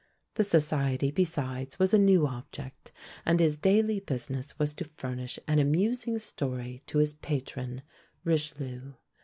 The society, besides, was a new object; and his daily business was to furnish an amusing story to his patron, Richelieu.